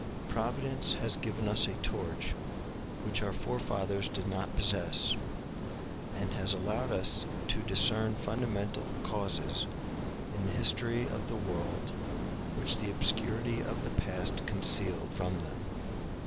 Providence has given us a torch which our forefathers did not possess, and has allowed us to discern fundamental causes in the history of the world which the obscurity of the past concealed from them.